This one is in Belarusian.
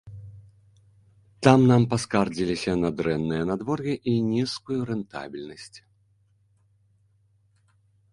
Там нам паскардзіліся на дрэннае надвор'е і нізкую рэнтабельнасць.